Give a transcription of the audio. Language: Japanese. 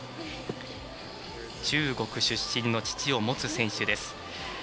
中国出身の父をもつ選手です。